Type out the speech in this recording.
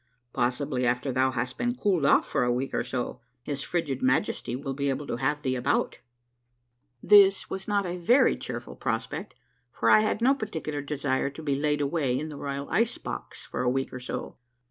Possibly after thou hast been cooled off for a week or so, his frigid Majesty will be able to have thee about !" This was not a very cheerful prospect, for I had no particular desire to be laid away in the royal ice box for a week or so.